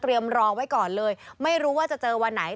รอไว้ก่อนเลยไม่รู้ว่าจะเจอวันไหน